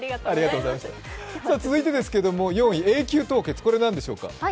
続いてですけど、４位、永久凍結、これ何でしょうか？